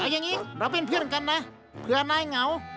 อย่างนี้เราเป็นเพื่อนกันนะเผื่อนายเหงา